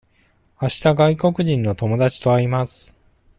あした外国人の友達と会います。